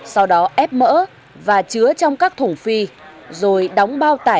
sau đó ép mỡ và chứa trong các thùng phi rồi đóng bao tải